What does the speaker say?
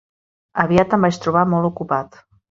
Aviat em vaig trobar molt ocupat.